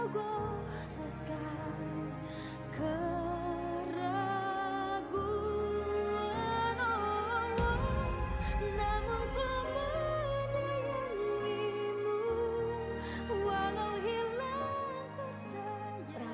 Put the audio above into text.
berapa ya harga obatnya